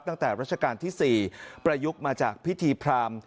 รัชกาลที่๔ประยุกต์มาจากพิธีพราม